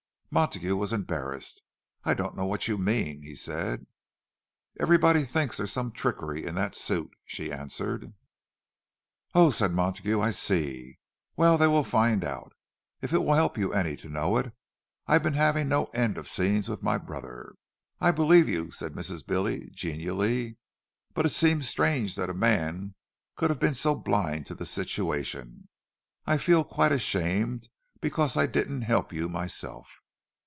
Montague was embarrassed. "I don't know what you mean," he said. "Everybody thinks there's some trickery in that suit," she answered. "Oh," said Montague, "I see. Well, they will find out. If it will help you any to know it, I've been having no end of scenes with my brother." "I'll believe you," said Mrs. Billy, genially. "But it seems strange that a man could have been so blind to a situation! I feel quite ashamed because I didn't help you myself!"